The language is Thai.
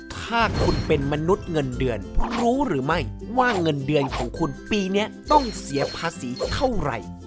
ถ้าคุณเป็นมนุษย์เงินเดือนรู้หรือไม่ว่าเงินเดือนของคุณปีนี้ต้องเสียภาษีเท่าไหร่